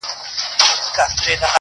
له کهاله مي دي راوړي سلامونه!.